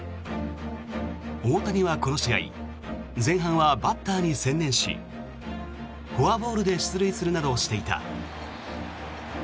大谷はこの試合前半はバッターに専念しフォアボールで出塁するなどしていた。